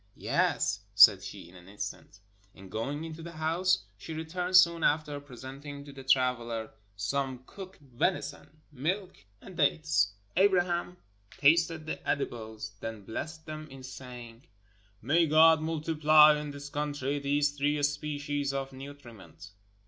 "Yes," said she in an instant. And going into the house, she re turned soon after, presenting to the traveler some cooked 490 THE LEGEND OF THE ARABS venison, milk, and dates. Abraham tasted the edibles, then blessed them in saying: "May God multiply in this country these three species of nutriment."